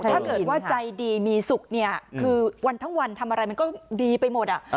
ถ้าเกิดว่าใจดีมีสุขเนี่ยคือวันทั้งวันทำอะไรมันก็ดีไปหมด